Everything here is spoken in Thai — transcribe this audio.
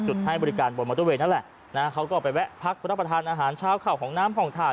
ให้บริการบนมอเตอร์เวย์นั่นแหละนะเขาก็ไปแวะพักรับประทานอาหารเช้าข่าวของน้ำห้องถ่าน